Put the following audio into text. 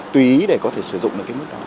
tùy để có thể sử dụng được cái mức đó